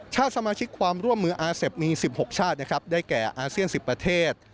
สมาชิกความร่วมมืออาเซฟมี๑๖ชาตินะครับได้แก่อาเซียน๑๐ประเทศ